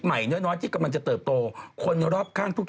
หนูลูกพ่อไงคะ